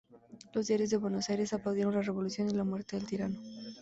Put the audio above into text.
Los diarios de Buenos Aires aplaudieron la revolución y la muerte del "tirano".